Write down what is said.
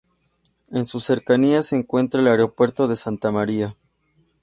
En sus cercanías se encuentra el aeropuerto de Santa María.